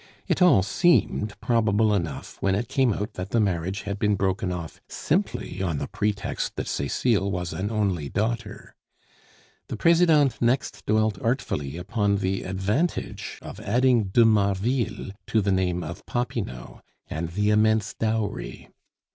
It all seemed probable enough when it came out that the marriage had been broken off simply on the pretext that Cecile was an only daughter. The Presidente next dwelt artfully upon the advantage of adding "de Marville" to the name of Popinot; and the immense dowry.